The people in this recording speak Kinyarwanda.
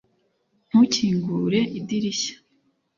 ntukingure idirishya